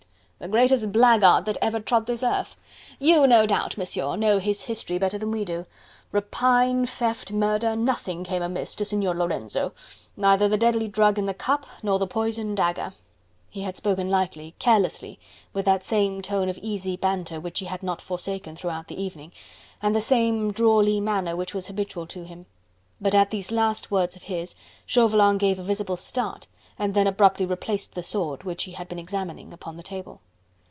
"The greatest blackguard that ever trod this earth. You, no doubt, Monsieur, know his history better than we do. Rapine, theft, murder, nothing came amiss to Signor Lorenzo... neither the deadly drug in the cup nor the poisoned dagger." He had spoken lightly, carelessly, with that same tone of easy banter which he had not forsaken throughout the evening, and the same drawly manner which was habitual to him. But at these last words of his, Chauvelin gave a visible start, and then abruptly replaced the sword which he had been examining upon the table.